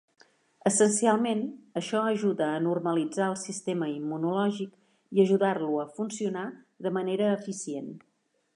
Essencialment, això ajuda a normalitzar el sistema immunològic i ajudar-lo a funcionar de manera eficient.